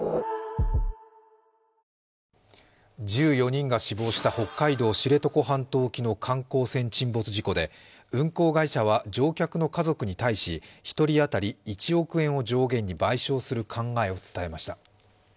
１４人が死亡した北海道・知床半島沖の観光船沈没事故で運航会社は乗客の家族に対し１人当たり１億円を上限に賠償する考えを伝えました。